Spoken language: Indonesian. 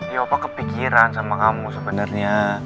ya opa kepikiran sama kamu sebenarnya